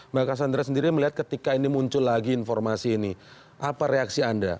mbak cassandra sendiri melihat ketika ini muncul lagi informasi ini apa reaksi anda